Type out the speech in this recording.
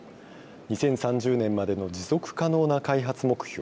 ２０３０年までの持続可能な開発目標